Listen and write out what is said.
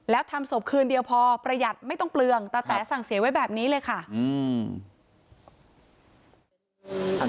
แล้วทำศพคืนเดียวพอประหยัดไม่ต้องเปลืองตาแต๋สั่งเสียไว้แบบนี้เลยค่ะอืม